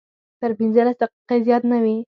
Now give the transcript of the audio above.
تر پنځلس دقیقې زیات نه وي.